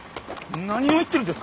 何を言ってるんですか